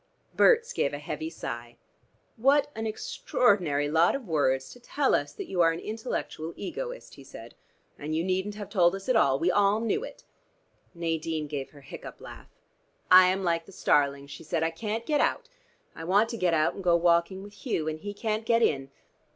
Berts gave a heavy sigh. "What an extraordinary lot of words to tell us that you are an intellectual egoist," he said. "And you needn't have told us at all. We all knew it." Nadine gave her hiccup laugh. "I am like the starling," she said. "I can't get out. I want to get out and go walking with Hugh. And he can't get in.